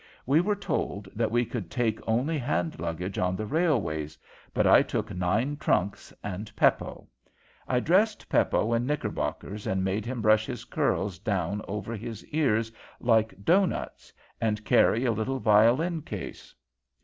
We were told that we could take only hand luggage on the railways, but I took nine trunks and Peppo. I dressed Peppo in knickerbockers, made him brush his curls down over his ears like doughnuts, and carry a little violin case.